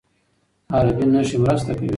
عربي نښې مرسته کوي.